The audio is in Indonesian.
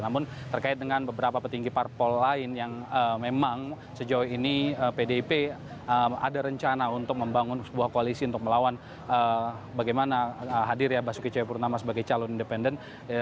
namun terkait dengan beberapa petinggi parpol lain yang memang sejauh ini pdip ada rencana untuk membangun sebuah koalisi untuk melawan bagaimana hadir ya basuki cahayapurnama sebagai calon independen